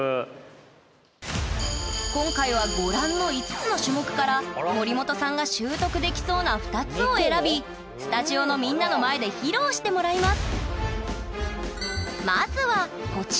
今回はご覧の５つの種目から森本さんが習得できそうな２つを選びスタジオのみんなの前で披露してもらいます！